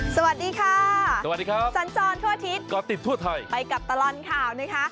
สวัสดีค่ะสวัสดีครับสัญจรทั่วอาทิตย์ก็ติดทั่วไทยไปกับตลอดข่าวนะคะ